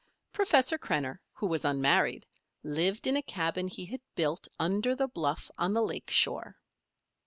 Professor Krenner, who was unmarried, lived in a cabin he had built under the bluff on the lake shore.